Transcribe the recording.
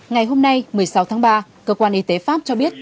ngày hôm nay một mươi sáu tháng ba cơ quan y tế pháp cho biết